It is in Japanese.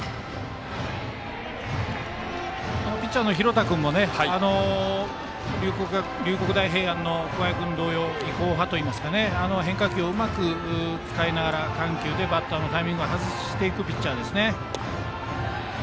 ピッチャーの廣田君も龍谷大平安の桑江君同様技巧派といいますか変化球をうまく使いながら緩急でバッターのタイミングを外していくピッチャーです。